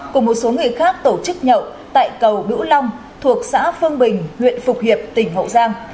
cùng một số người khác tổ chức nhậu tại cầu bữu long thuộc xã phương bình huyện phục hiệp tỉnh hậu giang